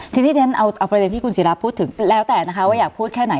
ทีนี้เรียนเอาประเด็นที่คุณศิราพูดถึงแล้วแต่นะคะว่าอยากพูดแค่ไหน